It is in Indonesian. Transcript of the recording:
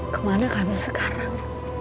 kemana kami sekarang